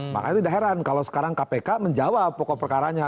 makanya tidak heran kalau sekarang kpk menjawab pokok perkaranya